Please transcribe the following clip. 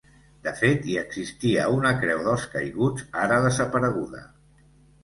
De fet hi existia una Creu dels Caiguts, ara desapareguda.